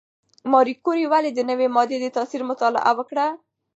ماري کوري ولې د نوې ماده د تاثیر مطالعه وکړه؟